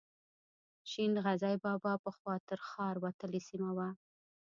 شین غزي بابا پخوا تر ښار وتلې سیمه وه.